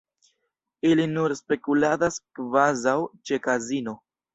Ili nur spekuladas kvazaŭ ĉe kazino.